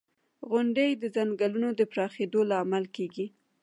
• غونډۍ د ځنګلونو د پراخېدو لامل کېږي.